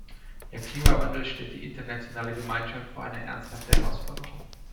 Der Klimawandel stellt die internationale Gemeinschaft vor eine ernsthafte Herausforderung.